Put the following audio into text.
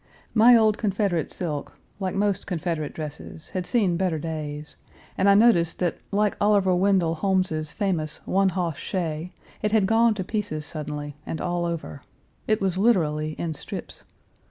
My old Confederate silk, like most Confederate dresses, had seen better days, and I noticed that, like Oliver Wendell Holmes's famous "one hoss stray," it had gone to pieces suddenly, and all over. It was literally in strips.